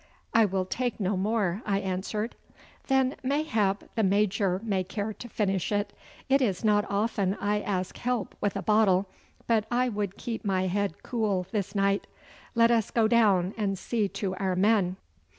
'I will take no more,' I answered. 'Then mayhap the Major may care to finish it. It is not often I ask help with a bottle, but I would keep my head cool this night. Let us go down and see to our men.